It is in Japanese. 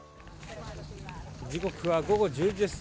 時刻は午後１０時です。